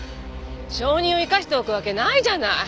証人を生かしておくわけないじゃない。